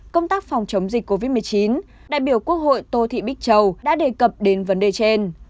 công tác phòng chống dịch covid một mươi chín đại biểu quốc hội tô thị bích châu đã đề cập đến vấn đề trên